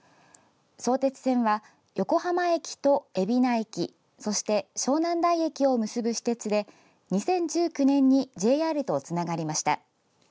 相鉄線は、横浜駅と海老名駅そして湘南台駅を結ぶ私鉄で２０１９年にＪＲとつながりました。